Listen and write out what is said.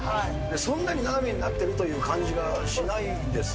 そんなに斜めになってるという感じがしないですね。